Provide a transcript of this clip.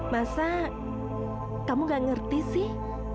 masa kamu gak ngerti sih